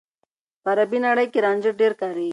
په عربي نړۍ کې رانجه ډېر کارېږي.